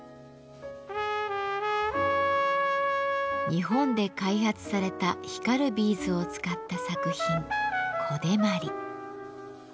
日本で開発された光るビーズを使った作品「小手毬」。